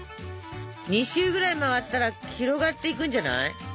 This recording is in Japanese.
２周ぐらい回ったら広がっていくんじゃない？